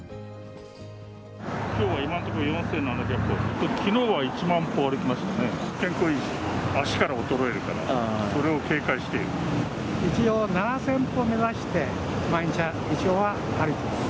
きょうは今のところ４７００歩、きのうは１万歩歩きましたね、健康維持、足から衰えるから、一応、７０００歩目指して、毎日一応歩いています。